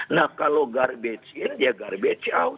nah kalau garbage in ya garbage out